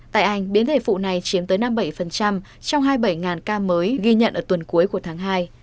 tại anh biến thể phụ này chiếm tới năm mươi bảy trong hai mươi bảy ca mới ghi nhận ở tuần cuối của tháng hai